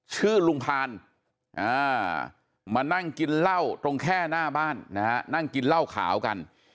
ชื่อลุงพานมานั่งกินเหล้าตรงแค่หน้าบ้านนะฮะนั่งกินเหล้าขาวกัน